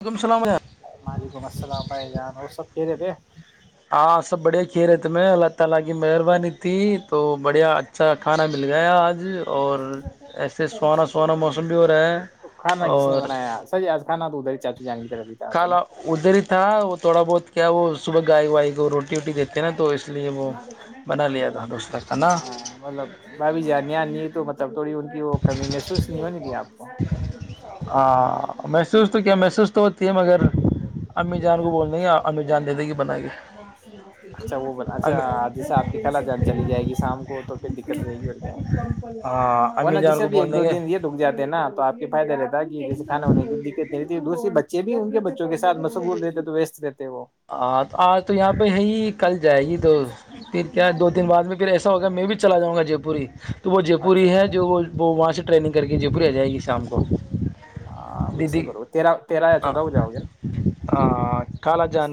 وعلیکم السلام وعلیکم السلام بھائی جان اور سب کہ رہ تھ ہاں سب بڑھیا کھیر ہے تمہیں ال تال کی مہربانی تھی تو بڑھیا اچھا کھانا مل گیا آج اور ایسے سونا سونا موسم بھی ہو رہا ہے کھانا کس نے اور بنایا سر آج کھانا تو ادھر چاچو جان کی طرف ہی تھا تو نا کالا ادھر ہی تھا وہ تھوڑا بہت کیا وہ صبح گائے وائے کو روٹی ووٹی دیتے نا تو اس لیے وہ ہاں بنا لیا تھا دوسرا کا نا مطلب بب جی نان نہیں تو مطلب تھڑی ہاں محسوس تو کیا محسوس تو ہوتی ہے مگر امی جان کو بولنے گ امی جان دے دیں گی بنا کے اچھ امی جیسے آپ کی کلا گان چلی جائے گی شام کو تو پھر دقت رہے گی اور ہاں کیا وہ امی ن جان جسے کو بھی بول ایک دیں دو گے دن یہ رک جاتا نا تو آپ فائدہ لیتے ے کانا ہونے کی دق دوسری بچے بھی ان کے بچوں کے سات مسغول رہتے تو ویست رہتے وہ ہاں تو آج تو یہاں پہ ہے ہی کل جائے گی تو پھر کیا دو تین بعد میں پھر ایسا ہوگا میں بھی چلا جؤں گا جے پوری تو وہ جے اچھا پوری ہے جو وہ وہاں سے ٹریننگ کر کے جے پور آ جائے گی شام کو ہاں وسے دیدی کرو تیرا یا ہاں چودا ہو جاؤ گ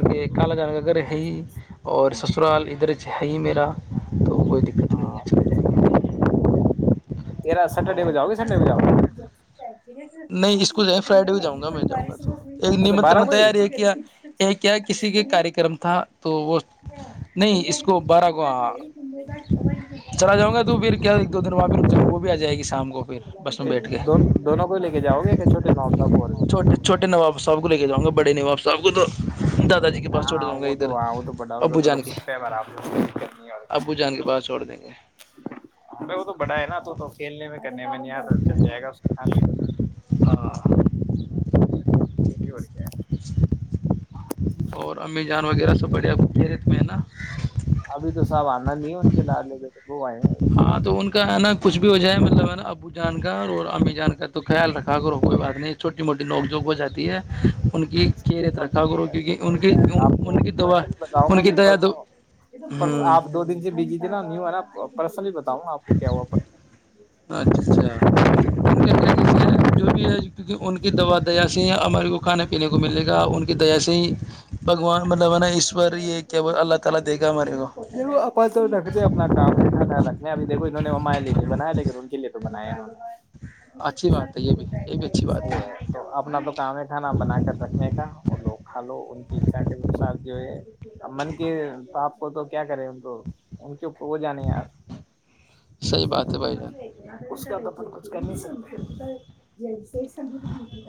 کہ کالا جان کا گھر ہے ہی اور سسرال ادھر چ ہے ہی میرا تو کوئی دقت نہیں ہے ہاں چلے جائیں گے تیرا سٹرڈے پ جاؤ گے سنڈے پ جاؤ گے نہیں اس کو جائ فرائیڈے کو جؤں گا میں جؤں گا تو ایک اچھا بارہ نمترن کو ہی تیاری یہ کیا یہ کیا کسی کے کار کررم تھا تو وہ نہیں اس کو بارہ گ ہ چلا جاؤں گا تو پھر کیا ایک دو دن بعد وہ بھی آ جائے گی شام کو پھر بس میں بیٹھ کے دونوں کو لے جاؤ گ ایک چھوٹے ن سے چھوے چھوٹےاپ سب کوے کےےاؤ گا بڑے نہیںاپ سب کو تو دادا جی کے پاس چھوڑ ہاں جاؤں گا وہ تو ادھر ہاں وہ تو بڑا ادھر ابو تو جان رک کے سکتا ہے ب ار ابو جان کے پاس چھوڑ دیں گے وہ تو بڑا ہے نا تو تو کھیلنے میں کرنے میں نہیںیا چل جائے گا اس کے ہاں [unintelligible] اور امی جان وغیرہ سب بڑھیا خوب ج رت میں ہے نا ابھی تو صاب آنا نہیں ہے ان کے لاالے پ تو وہ ہے ہاں تو ان کا ہے نا کچھ بھی ہو جائے مطلب ہےا ابو جان کا اور امی جان کا تو خیال رکھا کرو کوئی بات نہیں چھوٹی موٹی نوک جھوک ہو جاتی ہے ان کی خیریت رکھا کرو کیونکہ ان کی آپ ان کی دعا کوسا بتاؤں ان کی دیا دو گا ہوں آپ دو دن سے بجی تھے نا نی نا پرس نہیں پت اچھا اچھا ان کے جو بھی ہے کیونکہ ان کی دوا دیا سے ہمارے کو کھانے پینے کو ملے گا ان کی دیا سے ہی بھگوان مطلب ہے نا ایشور یہ کیا اللہ تعالی دے گا ہمارے کو اپ تو رکھتے اپنا کام ہے کانا رکھنے ابھی دیک انہوں نے وہ مائلے نہیں بنایا لیکن ان کے لیے تو بنایا انہوں نے اچھی بات ہے یہ بھی یہ بھی اچھی بات ہے تو اپنا تو کام ہے کھانا بنا کر رکھنے کا وہ لوگ کھا لو ان کی اچھا کے انسار جو من کہ آپ کو تو کیا کریں ان کو ان کےپر تو وہ جانے ہیں آپ صحیح بات ہے بھائی جان [unintelligible] چھ کر ج س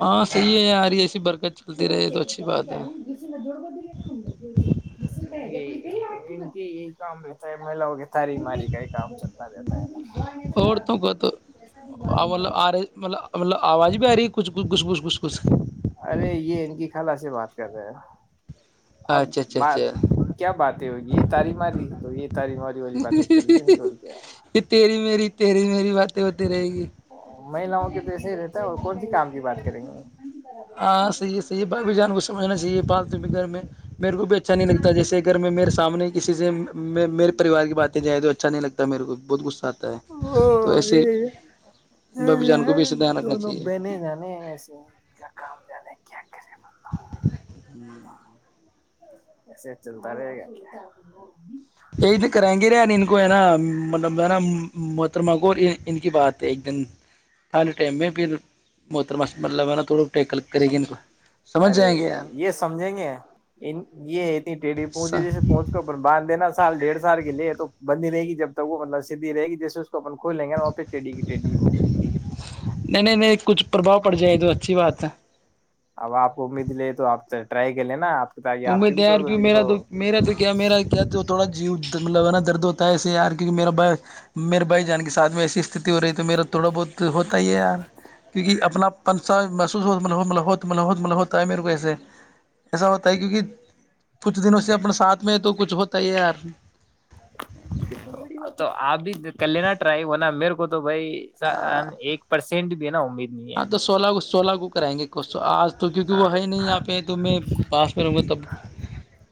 ہاں صحیح ہے یار ایسی برکت چلتی رہے تو اچھی چ بات کر ہے جسے میں جڑ ب [inaudible] ان کی یہ کام رہتا ہے میلا ہوغ ساری ماری کا ہی کام چلتا رہ عورتوں کو تو مطلب آ رہی مطلب مطلب آواز بھی آ رہی کچھچھ گھچھ گھس گھس گھھ ارے یہ ان کی خالہ سے بات کر رہے ہیں اب اچھا اچھا بات اچھا کیا باتیں ہوگی یہ تاری ماری تو یہ تاری ماری والی بات ہی چل گئی ن کی کیا پھر مہیلاؤں کے تو ایسے ہی رہتا ہے اور کون سی کام کی بات کریں گے ہاں صح بااب جان کو سمجھنا چاہیے بات ت گھر میں میرے کو اچھا نہیں لگتا جیسے اگر میں میرے سامنے کسی سے میں میرے پریوار بات جائے تو اچھا نہیں لگتا مے کو بہتچھ سات تھا تو ایسے گے ببھی جان کو بھی ایسے دھیان رکھنا دونوں چاہیے بہنے جانے ایسے ان کا کام جانے کیا کر [unintelligible] ایسے چلتا رہے گا کیا ایک دن کرائیں گے رے یار ان کو ہے نا مطلب نا محترمہ کو ان کی بات ہے ایک دن تھانے ٹائم میں پھر محترمہ مطلب ہے نا تھوڑا ٹیکل کرے گی ان کو سمجھ ارے جائیں گے یار یہ سمجھیں گے یہ اتنی ٹیڑھی پہنچے جیسے پہنچ کو اپ باندھ دینا سال ڈیڑھ سال کے لیے تو بندی رہےی جب تک وہ مطلب سدھی رہ گی جیسے اس کو اپ کھول لیں گے نا وہاں پہ ٹیڈی کی ٹیڈی ہو نہیں نہیں نہیں کچھ پربھؤ پڑ جائے تو اچھی بات ہے اب آپ کو امید لے تو آپ ٹرائی کر لیں نا آپ تاکہ تو آپ میں کے بھی تیار تھوڑا کیوں دل میرا کو تو میرا تو کیا م کیا تھوڑا جیو لانا درد ہوتا ہے ایسے یار کیکہ میرا ب میرے بھائی جان کے سھ میں ایسی است ہو رہی ہے تو میرا تھوڑا بہت ہوتا ہی ہے یار کیونکہ اپنا پنسا محسوس ہو مت م ہوتا ہے میرے کو ایسے ایسا ہوتا ہے کیونکہ کچھ دنوں سے اپنے ساتھ میں تو کچھ ہوتا ہی یار تو آپ بھی کر لینا ٹرائی ہونا میرے کو تو تو بھائی ایک پرسینٹ بھی ن ہ آپ تو سولہ اگو سولہ کوو کرائ گے کو آ تو کیونکہ وہ ہے نہیں ہاں آ پہ تو میں پاس میں رہوں گا تب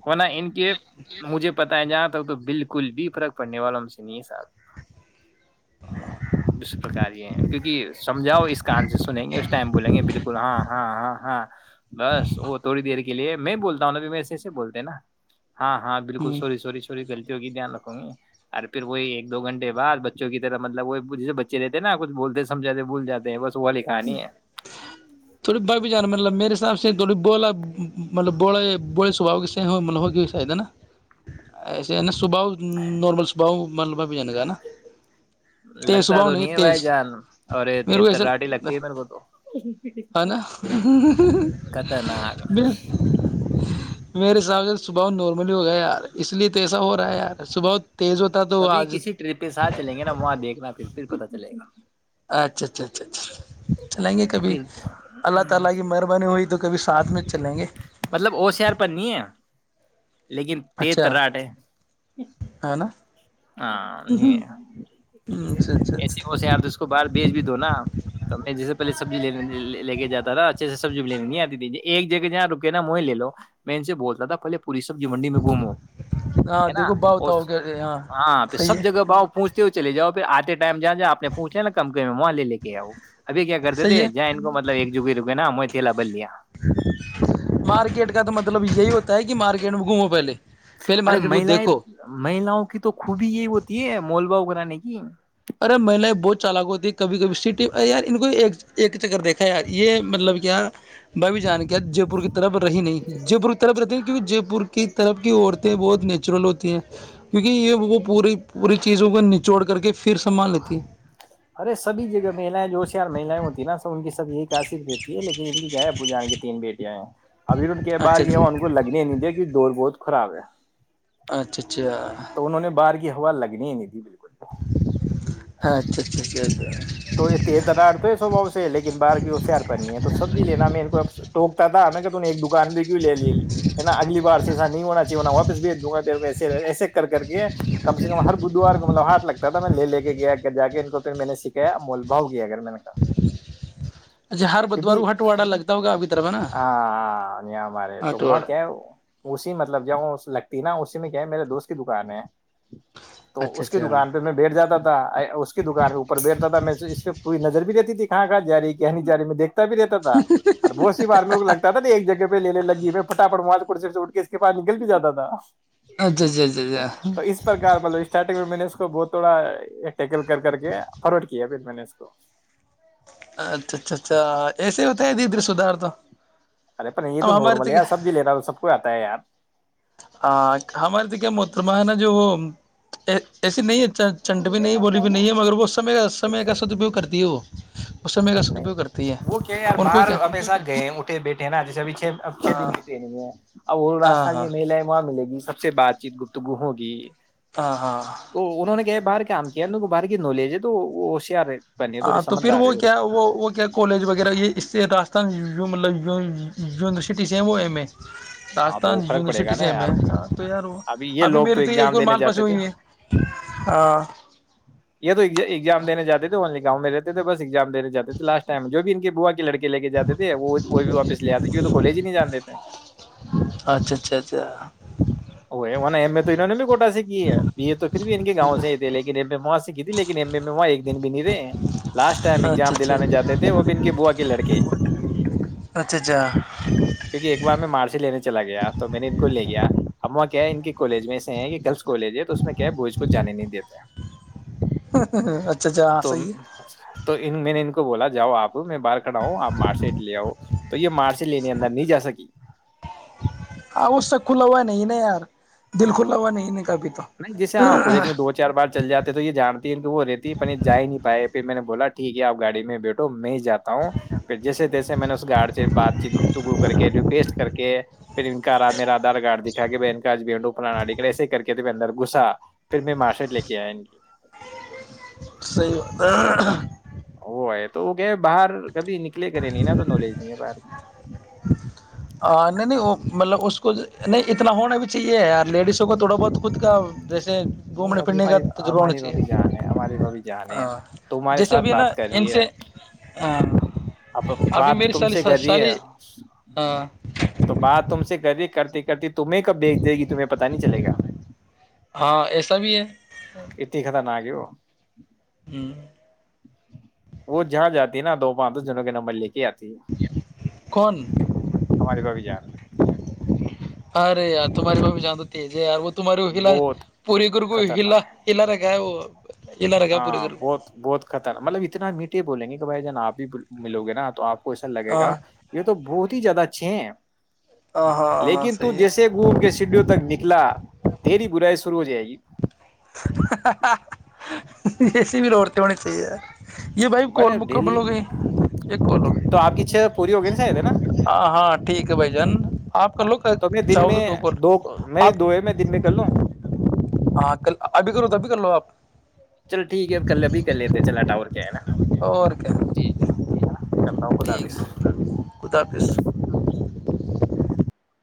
ہونا ان کے مجھے پت ہے ج آپ تو بالکل بھی فرق پڑنے والوں سے نہیں ہے صاحب دوسر پرکار یہ ہے کیونکہ سمجھاؤ اس کان سے سنیں گے اس ٹائم بولیں گے بالکل ہاں ہاں ہاں ہاں بس وہ توڑی دےی لیے میں بولتا ہوں ابھی میں ای اسے سے بولتے ہیں نا ہاں ہاں بالکل ہوں سوری سوری سوری کی دھیان رکھو گے اور پھر وہ ایک دو گنٹے بع بچوں کی طرح مطلب وہ جسے بچے رہتے ہیں نا کچ بولتے سمھاتے بھول جاتے ہیں ب تھوڑی بائیب جان مطلب میرے ساب سے تھوڑی بولا مطلب بوڑے بڑے سوبا کے سے م ہوگ شاید ہے نا ایسے ہے نا صباحؤ نارمل صباح ملبہ بھی جان کاا ہے نا تیز لگتا صبح تو نہیں ہے بھائی تیز جان اور میرے کو تر ایسا راٹے لگتا یہ بن کو تو ہے نا خطرناک میرے سگر صبح نارملی ہو گیا یار اس لیے تو ایسا ہو رہا ہے یار صبح تیز ہوتا تو کبھی آج کسی ٹرپ کے ساتھ چلیں گے نا وہاں دیکھنا پھر پھر پتا چلے گا اچھا اچھا اچھا پھر اچھا [inaudible] میں چلیں گے مطلب وہ شہر پنی ہے لیکن تیز اچھا تراٹ ہے ہے نا ہاں نہیں اچھا اچھا ایسے اچھا ہوس آپ اس کو باہر بیچ بھی دو نا تو میں جیسےہلے سبزینے لے کے جاتا تھا اچھے سے سبزی لینے نہیں آتی تھی ایک جگہ جہاں رکے نا وہ ہی لے لو میں ان سے بولتا تھا پہل پوری سبزی منڈی میں گھومو ہاں ہے نا دیکھو با اور بتاؤ کہ ہاں پہ صحیح سب جگہ ہے باؤ پہنچتے ہوئے چے جاؤ پھر آتے ٹائم جا جا آپ پوھا نا کم میں وہاں لے کے آیاؤ ابھی کیا کرتے صحیح تھے جااں ہے ان کو مطلب جک ہی رکے نا ہم [unintelligible] [unintelligible] مطب یہی ہوتا ہے کہ مارکیٹ میں گھومو پہلے پہلے ارے مارکیٹ کو مہیلایں دیکھو مہیلاؤں کی تو خوبی یہی ہوتی ہے مول باؤ کاغ [unintelligible] ارے مہیل بہت چالک ہوتی کبھی کبھی سٹی یار ان کو ایک چکر دیکھا یار یہ مطلب کیا بھ بھی جان کیا جے پور کے طرف رہی نہیں ج ب طرف رہتی جے پور کی طرف کی عورتیں بہت نیچرل ہوتی ہیں کیونکہ یہ وہ پوری پوری چیزوں کو نچوڑ کر کے پھر سنبھال لیتی ہے ارے سبھی جگہ مہلایں جو ہوشیار مہییں ہوتی نا سب ان کی یہی کاشت رہتی ہے لیکن ان کی ب جان کے تین بیٹ [unintelligible] ابھی ان کے باہر اچھا گیا ہو ان کو اچھا لگنے نہیں دیکھی دور بہت خراب ہے اچھا اچھا تو انہوں نے باہر کی ہوا لگنی ہی نہیں دیھی بالکل ہاں اچھا اچھا اچاا تو یہ تییر درار تو ہے سوبھؤ سے لیکن باہر کی ہوشیار پرنی ہے تو سبزی لینا میں ان کو ٹکتا تھا میں ایک بھی کیوں لے لےا اگلی بار سے ایسا نہیں ہونا چاہیےنا واپس بھیج دوں گا پھر میں ایسے کر کے کم سے کم ہر بدھوار کو مطلب ہاتھ لگتا تھا میں لے لے کے گیا جا کے ان کو پھر میں نے سیکھا مول بھؤ اچھا ہر بدوارو ہٹواڑا لگتا ہوگا اب ہاںاں ن مارے تمو ہٹواڑا کیا اسی مطلب جب لگتی نا اسی میں کیا ہے میرے دوست کی دکان ہے تو اچھا اس کی اچھا دکان پہ میں بیٹھ جاتا تھا [inaudible] اس کی دک ہےوپر بیٹتا تھا میں اس پہ پوری نظر بھی رہتا تھی کہاں کہاں جاری کہنی جاری میں دیکھتے بھی دیتا تھا اور ب بار میں لگتا تھا ن ایک جگہ پ لینے لگی میں پٹاٹ مال کو سے اٹھ کے اس کے پاس نکل بھی جاتا تھا اچھا اچھا اچھا اچھا تو اس پرک مطلب اسٹارٹنگ میں میں نے تو بہت تھوڑا یکل کر کر کے فارڈ کیا پھر میں نے اس کو اچھا اچھا اچھا ایسے ہوتا ہے ددھر سدھار تو ارے پ نہیں یہ تو اب ہمارے نارمل ہے ار کیا سبزی لیتا ہوں سب کو آتا ہے یار ہ ہمارے تو کیا م تو میں نا جو وہ ایسی نہیں ہے چنٹ بھی نہیں ہے بولی بھی نہیں ہے مگر وہ سمے کا سمے کا سدپیوگ کرتی ہے وہ وہ سمے کا نہیں سدپیوگ کرتی ہے وہ کیا یار ان کو باہر کیا ہمیشہ گئے اٹھے بیٹھے ہیں نا جیسے ابھی چھ اچھ دن ہاں کی ٹرینگ ہے اب وہ ہاں رستان ہاں یہ میل ہے وہاں ملے گی سب سے بات چیت گپتگووںگی ہاں ہاں تو انہوں نے کیا باہر کیا کام کیا کو باہر کی نوالج ہے تو وہ ہو شیار ہے بنے ہاں تو پھر سمجھدار وہ ہے اور کیا وہ وہ کیا کالج وغیرہ یہ اس سے راستان جو مطب ونیورسٹی سےیم وہ ایم اے ہاں راجستھان تو فرق پڑے یونیورسٹی گا نا سے میں یار ہ تو یار ہا یہ ابھی لوگ میری تو ایک ایگزام اور دینے مان پس جاتے تھے ہوئی ہے ہ یہ تو ایگزام دینے جاتے تھے اونلی گاؤں رہتےے بس ایگزام دیاتے تھے لسٹم میں جو بھی ان کے وہوا لڑی لے کے جاتے تھے وہ وہ بھی واپس لے آتے تو کالج ہی نہیں جانتے تھے اچھا اچھا اچھا وہ میں تو انہوں نے بھی کوٹا سے کی ہے یہ یہ تو پھر بھی ان کے گاؤں سے ہی تھے لیکن وہاں سے کی لیکن ایم اے میں وہاں ایک د بھی نہیں رہے لاسٹ ٹائم اچھا ایزام اچھا اچھا دلانے جاتے تھے وہ بھی ان کے بوو کے لڑکے اچھا کیونکہ ایک بار میں مارچ چلا گیا تو میں نے ان کو لے گیا اا کیا ہے ان کے کالج میں ایسے ہیں کہ گرلس کالج ہے تو اس میں کیا ہے بوئز کو جانے نہیں دیتا اچھا اچھا ہاں صحی ہے تو ان میں نے ان بولا جاؤ آپ [unintelligible] میں باہر کھا ہوں آپ مار سٹ لے آؤ تو یہ مار سےٹ لینے اندر نہیں جا سکی ا وہ اس سے کھلا ہوا نہیں نہیں یار دل کھلا ہوا نہیں ن کبھی تو نہیں جیسے ہاں کورج میں دو چار بار چل جاتے ہیں تو یہ جانتی ہے کہ وہ رہتی ہے پ جا ہی نہیں پائے میں نے بولا ٹھیک ہےپ گاڑی میں بیٹھو میں ہی جاتا ہوں پھر جیسے جیے میں نے اس گارڈ سے بات چیت گپتگو کر کے ریکویسٹ کر کے پھرکارا میرا گارڈ دکھا کے بہن کاج بیٹو انک ایسے کر کے ت اندر گھسا پھر میں مارشٹ لے کے آیا صی [unintelligible] ہو تو وہ کہ باہر کبھی نک کلے کرے نہیں نہ تو نالج نہیں ہے باہ ہ نہیں نہیں وہ مطلب اس کو نہیں اتنا ہونا بھی چاہیے ی لیڈیز اس کو تھوڑا بہت خود کا جیسے نہیں گھومنے ابھی پھرنے کا ہماری تجربہ ہونا ہماری بھابھی جان ہے ہماری چاہیے بھابھی جان ہے ہاں تو ہمارے جیسے ساتھ ابھی ہے نا بات کر ان رہی سے ہے اب ابھی بات میری تم سالی سے کری ہے سالی ہاں تو بات ت چ کرتی کرتی کرتی تمہیں کب بییکھ دے گی تمہیں پتا نہیں چلےا ہاں ایسا بھی ہے ا ت خ تھاا نہ و ہوں وہ جہاں جاتی ہے نا دو پانچ جنوں کے نمبر لے کے آتی کون ہماری بھگی جان ارے یار تمہاریے میں بھی جانتا تز ہے ار وہ تمار شلاا بہت پوری کو کوئی ہا خطرناک ہے شل ر گا ہے وہ ہلا رکھا ہے پوری ہاں گر بہت بہت خطرنا مطلب اتنا میٹھے بولیں گے کہ بھائی جنا آپ ملو گے نا تو آپ کون لگے کو ہاں گا یہ تو بہت ہی زیادہ اچھے ہیں ہاں ہاں ہاں لیکن تو صحیح جیسے گھوم کے سیڈوں تک نکلا تیری برائی شروع ہو جائے گی اسسیے بھی روڈتے ہونے چاہیے یہ بھائی کال بر مکمل ڈیلی ہو گئی یہ کال ہو تو آپ کی چھ پوری ہو نا شاید ہے نا گئی ہاں ہاں ٹھیک ہے بھائی جان آپ کر لو تو میں دن چاہو میں دو دو کال میری آپ دو ہے میں دن میں کر لوں ہاں ک ابھی کرو تو ابھی کر لو آپ چلو ٹھیک ہے کل ابھی کر لیتے چل اٹاور کیا ہے نا اور کیا ٹھیک ہے کرتا ہوں خد ٹھیک حفظ ہے خدا حافظ